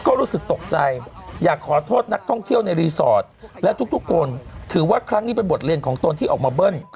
ก็รู้สึกตกใจอยากขอโทษนักท่องเที่ยวในรีสอร์ทและทุกคนถือว่าครั้งนี้เป็นบทเรียนของตนที่ออกมาเบิ้ล